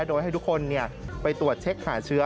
โดยให้ทุกคนไปตรวจเช็คหาเชื้อ